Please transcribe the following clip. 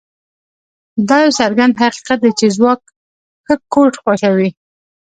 دا یو څرګند حقیقت دی چې ځواک ښه کوډ خوښوي